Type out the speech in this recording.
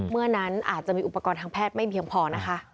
เมื่อนั้นอาจจะมีอุปกรณ์ทางแพทย์ไม่เพียงพอนะคะ